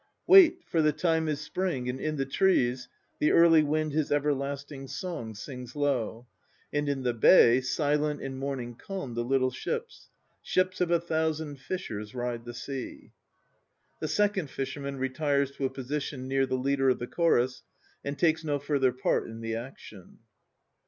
Wait, for the time is Spring and in the trees The early wind his everlasting song Sings low; and in the bay Silent in morning calm the little ships, Ships of a thousand fishers, ride the sea. (The second FISHERMAN retires to a position near the leader of the CHORUS, and takes no further part in the action.)